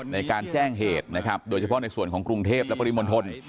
ในการแจ้งเหตุนะครับโดยเฉพาะในส่วนของกรุงเทพและปริมณฑล